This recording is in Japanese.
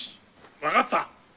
わかった。